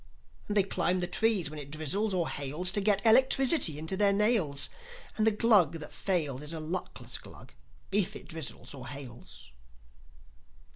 And they climb the trees when it drizzles or hails To get electricity into their nails; And the Glug that fails Is a luckless Glug, if it drizzles or hails."